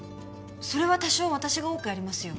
それは多少私が多くやりますよ